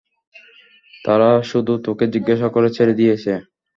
তারা শুধু তোকে জিজ্ঞাসা করে ছেড়ে দিয়েছে।